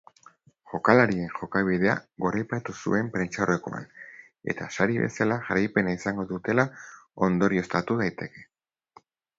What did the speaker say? Jokalarien jokabidea goraipatu zuen prentsaurrekoan eta sari bezala jarraipena izango dutela ondorioztatu daiteke.